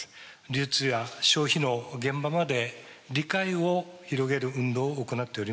流通や消費の現場まで理解を広げる運動を行っております。